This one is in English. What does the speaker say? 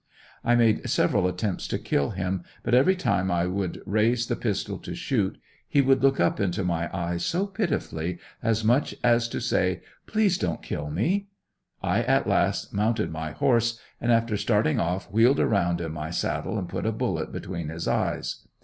I made several attempts to kill him, but every time I would raise the pistol to shoot he would look up into my eyes so pitifully as much as to say please don't kill me. I at last mounted my horse and after starting off wheeled around in my saddle and put a bullet between his eyes.